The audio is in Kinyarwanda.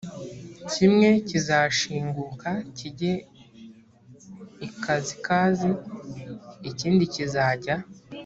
kimwe kizashinguka kijye ikasikazi ikindi kizajya